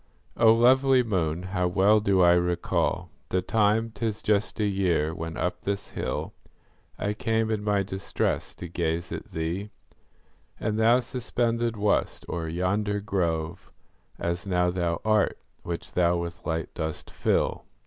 O lovely moon, how well do I recall The time,—'tis just a year—when up this hill I came, in my distress, to gaze at thee: And thou suspended wast o'er yonder grove, As now thou art, which thou with light dost fill.